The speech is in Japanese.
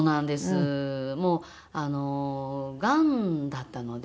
もうがんだったので。